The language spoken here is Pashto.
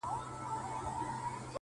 چي در رسېږم نه! نو څه وکړم ه ياره!